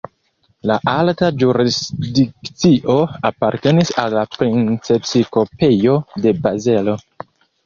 La alta jurisdikcio apartenis al la Princepiskopejo de Bazelo.